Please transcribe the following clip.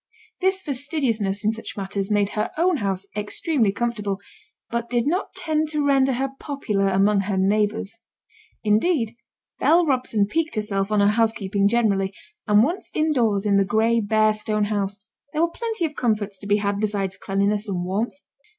This fastidiousness in such matters made her own house extremely comfortable, but did not tend to render her popular among her neighbours. Indeed, Bell Robson piqued herself on her housekeeping generally, and once in doors in the gray, bare stone house, there were plenty of comforts to be had besides cleanliness and warmth.